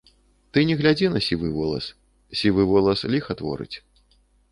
Ты не глядзі на сівы волас, сівы волас ліха творыць.